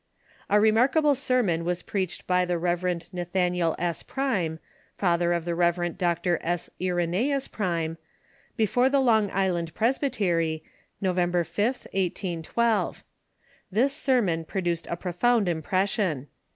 A remarkable sermon was preached by the Rev. Nathaniel S. Prime, fatlier of the Rev. Dr. S. Irenojus Prime, before the Long Island Presbytery, November 5th, 1812. This sermon produced a profound impression.